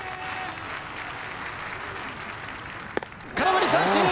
空振り三振！